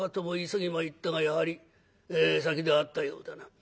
急ぎ参ったがやはり先であったようだな。